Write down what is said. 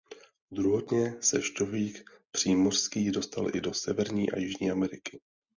Druhotně se šťovík přímořský dostal i do Severní a Jižní Ameriky.